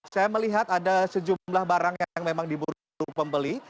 saya melihat ada sejumlah barang yang memang diburu pembeli